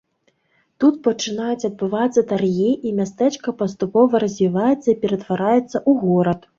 Тут пачынаюць адбывацца таргі, і мястэчка паступова развіваецца і ператвараецца ў горад.